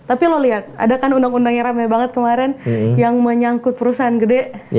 tapi lo liat ada kan undang undangnya rame banget kemaren yang menyangkut perusahaan gede